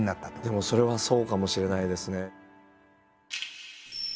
でもそれはそうかもしれないですね。